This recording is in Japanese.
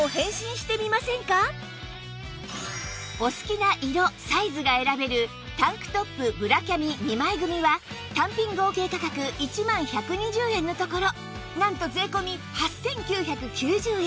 お好きな色サイズが選べるタンクトップブラキャミ２枚組は単品合計価格１万１２０円のところなんと税込８９９０円